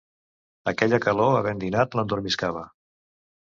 Aquella calor havent dinat l'endormiscava.